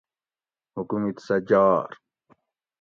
حکومِت سہ جاۤر